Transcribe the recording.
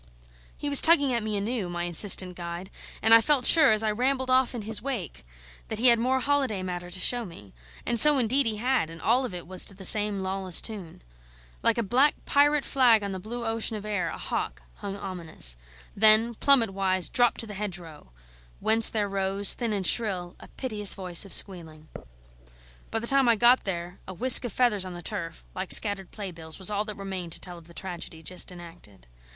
He was tugging at me anew, my insistent guide; and I felt sure, as I rambled off in his wake, that he had more holiday matter to show me. And so, indeed, he had; and all of it was to the same lawless tune. Like a black pirate flag on the blue ocean of air, a hawk hung ominous; then, plummet wise, dropped to the hedgerow, whence there rose, thin and shrill, a piteous voice of squealing. By the time I got there a whisk of feathers on the turf like scattered playbills was all that remained to tell of the tragedy just enacted.